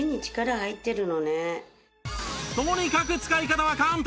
とにかく使い方は簡単！